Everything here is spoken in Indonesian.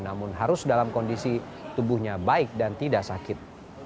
namun harus dalam kondisi tubuhnya baik dan tidak sakit